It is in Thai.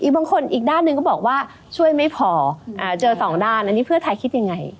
บางคนอีกด้านหนึ่งก็บอกว่าช่วยไม่พอเจอสองด้านอันนี้เพื่อไทยคิดยังไง